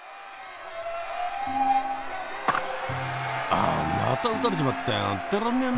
あまた打たれちまったよやってられねえな。